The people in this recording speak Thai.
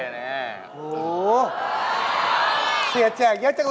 เสียแจกเยอะจังเลย